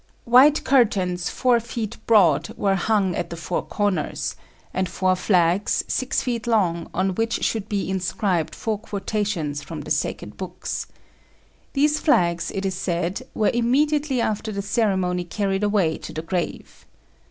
White curtains, four feet broad, were hung at the four corners, and four flags, six feet long, on which should be inscribed four quotations from the sacred books. These flags, it is said, were immediately after the ceremony carried away to the grave.